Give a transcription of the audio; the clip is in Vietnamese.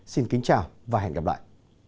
xin kính chào và hẹn gặp lại